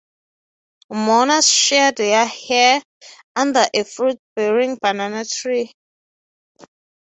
Mourners shear their hair under a fruit-bearing banana tree.